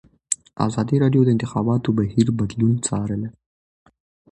ازادي راډیو د د انتخاباتو بهیر بدلونونه څارلي.